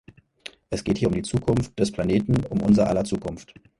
Es geht hier die Zukunft des Planeten um unser aller Zukunft.